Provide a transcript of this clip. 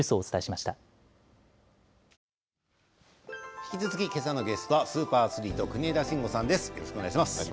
引き続き今朝のゲストはスーパーアスリート国枝慎吾さんです。